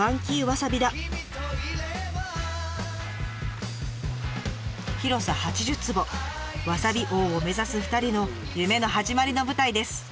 わさび王を目指す２人の夢の始まりの舞台です。